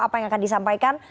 apa yang akan disampaikan